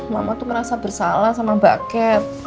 mama tuh merasa bersalah sama mba cat